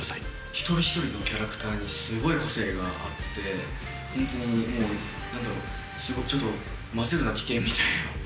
一人一人のキャラクターにすごい個性があってホントにもう何だろう交ぜるな危険みたいな。